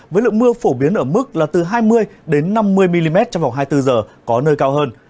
với lượng mưa phổ biến ở mức là từ hai mươi năm mươi mm trong vòng hai mươi bốn h có nơi cao hơn